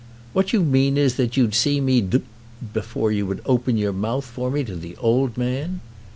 "What you mean is that you'd see me d d before you would open your mouth for me to the old man!"